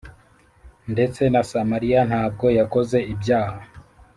Ndetse na Samariya ntabwo yakoze ibyaha